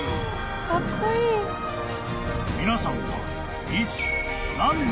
［皆さんは］